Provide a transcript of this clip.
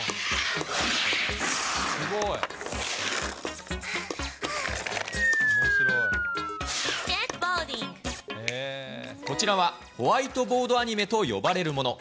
すごい。こちらはホワイトボードアニメと呼ばれるもの。